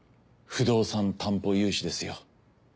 不動産担保融資ですよ。